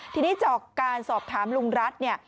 ทีนี้จากการสอบถามลุงรัฐ